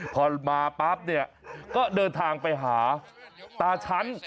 พอมาปั๊บเนี่ยก็เดินทางไปหาตาชั้น